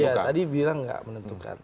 iya tadi bilang enggak menentukan